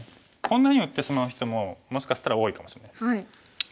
こんなふうに打ってしまう人ももしかしたら多いかもしれないです。